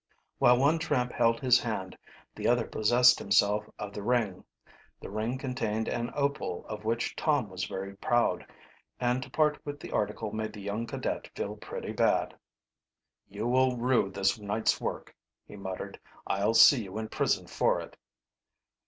While one tramp held his hand the other possessed himself of the ring. The ring contained an opal of which Tom was very proud, and to part with the article made the young cadet feel pretty bad. "You will rue this night's work," he muttered. "I'll see you in prison for it."